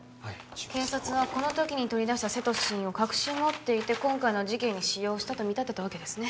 警察はこのときに取り出したセトシンを隠し持っていて今回の事件に使用したと見立てたわけですね